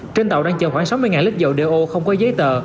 trên tàu đang chờ khoảng sáu mươi lít dầu đều ô không có giấy tờ